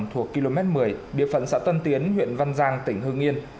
thuộc km một mươi địa phận xã tân tiến huyện văn giang tỉnh hương yên